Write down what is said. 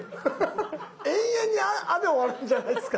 永遠に「あ」で終わるんじゃないですか？